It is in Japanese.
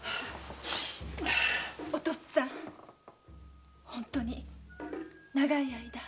お父っつぁん本当に長い間。